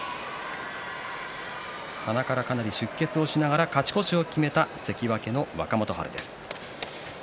鼻からかなり出血をしながら勝ち越しを決めた関脇の若元春。